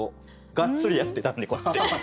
がっつりやってたんでこうやって。